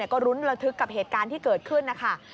ก็รุ้นระทึกกับเหตุการณ์ที่เกิดขึ้นนะคะ